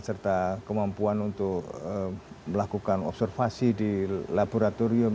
serta kemampuan untuk melakukan observasi di laboratorium